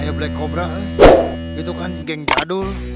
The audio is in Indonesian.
ya sudah korang di pegang ate